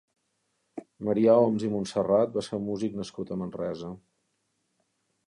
Marià Homs i Montserrat va ser un músic nascut a Manresa.